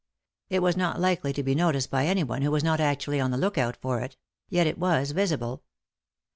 It was not likely to be noticed by anyone who was not actually on the look out for it ; yet it was risible.